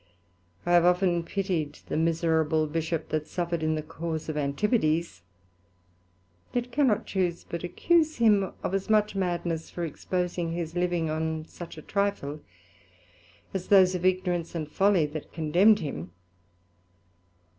I have often pitied the miserable Bishop that suffered in the cause of Antipodes, yet cannot chuse but accuse him of as much madness, for exposing his living on such a trifle; as those of ignorance and folly, that condemned him.